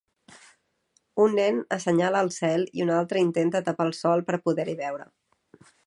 Un nen assenyala al cel i un altre intenta tapar el sol per poder-hi veure